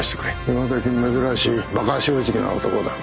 今どき珍しいバカ正直な男だ。